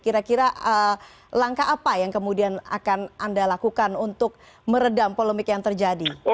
kira kira langkah apa yang kemudian akan anda lakukan untuk meredam polemik yang terjadi